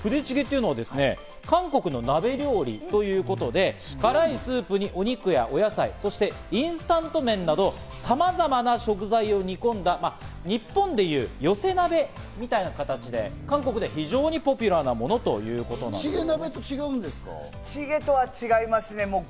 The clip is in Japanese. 韓国の鍋料理ということで、辛いスープにお肉やお野菜、インスタント麺などさまざまな食材を煮込んだ日本でいう寄せ鍋みたいな形で、韓国では非常にポピュラーなものということです。